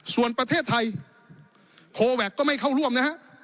ส่วนประเทศไทยโคแวคก็ไม่เข้าร่วมนะฮะ